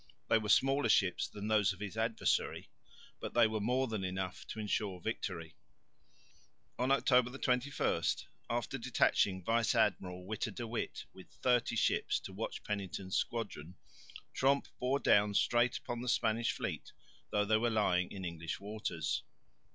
They were smaller ships than those of his adversary, but they were more than enough to ensure victory. On October 21, after detaching Vice Admiral Witte de with 30 ships to watch Pennington's squadron, Tromp bore down straight upon the Spanish fleet though they were lying in English waters.